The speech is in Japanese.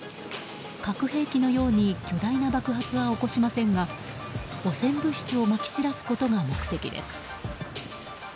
核兵器のように巨大な爆発は起こしませんが汚染物質をまき散らすことが目的です。